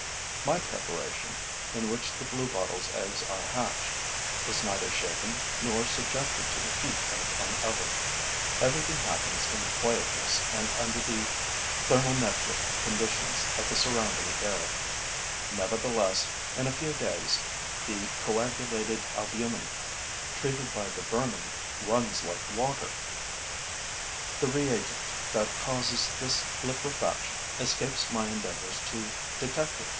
My preparation, in which the bluebottle's eggs are hatched, is neither shaken nor subjected to the heat of an oven; everything happens in quietness and under the thermometric conditions of the surrounding air; nevertheless, in a few days, the coagulated albumen, treated by the vermin, runs like water. The reagent that causes this liquefaction escapes my endeavors to detect it.